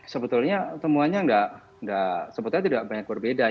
sebetulnya temuannya tidak banyak berbeda